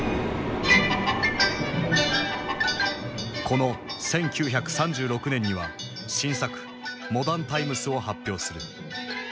この１９３６年には新作「モダン・タイムス」を発表する。